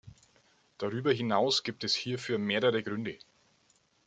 Darüber hinaus gibt es hierfür mehrere Gründe.